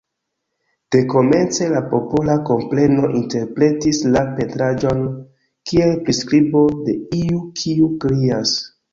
Dekomence la popola kompreno interpretis la pentraĵon kiel priskribo de iu kiu krias.